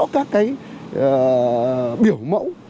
các cái biểu mẫu